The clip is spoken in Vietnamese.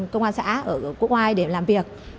công an xã ở quốc ngoài để làm việc